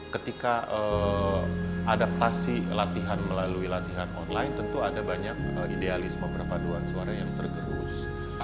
ketika adaptasi latihan melalui latihan online tentu ada banyak idealisme perpaduan suara yang tergerus